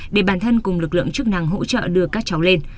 để bản thân cùng lực lượng chức năng hỗ trợ đưa các cháu lên